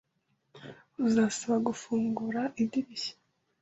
Uzasaba gufungura idirishya.